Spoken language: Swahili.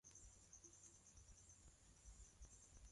Kinyume chake pia si muhali kuzaa neno jipya